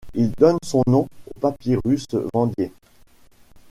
Il donne son nom au papyrus Vandier.